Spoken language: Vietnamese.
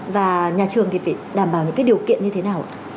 và nhà trường thì phải đảm bảo những cái điều kiện như thế nào